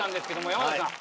山崎さん